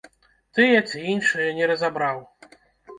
Тыя ці іншыя, не разабраў.